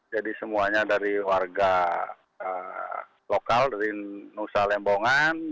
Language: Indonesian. jadi semuanya dari warga lokal dari nusa lembongan